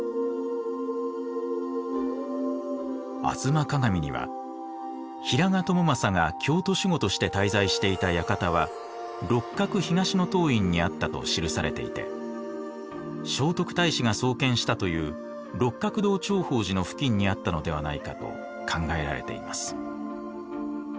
「吾妻鏡」には平賀朝雅が京都守護として滞在していた館は六角東洞院にあったと記されていて聖徳太子が創建したという六角堂頂法寺の付近にあったのではないかと考えられています。